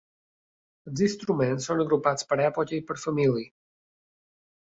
Els instruments són agrupats per època i per família.